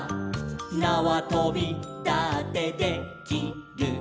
「なわとびだってで・き・る」